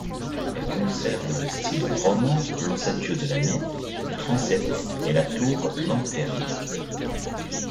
Elle conserve de style roman l’ossature de la nef, le transept et la tour-lanterne.